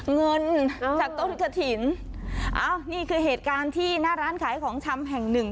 เงินจากต้นกระถิ่นอ้าวนี่คือเหตุการณ์ที่หน้าร้านขายของชำแห่งหนึ่ง